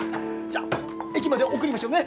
じゃあ駅まで送りましょうね。